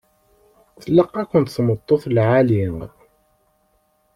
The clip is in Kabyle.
Tlaq-akent tameṭṭut lɛali.